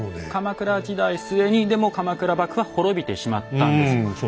鎌倉時代末にでも鎌倉幕府は滅びてしまったんですよ。